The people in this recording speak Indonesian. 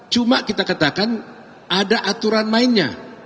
cuma kita katakan ada aturan mainnya